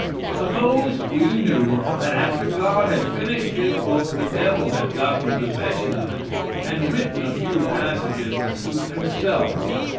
Suppose we knew that after God had finished his book the devil had gotten possession of it, and written a few passages to suit himself.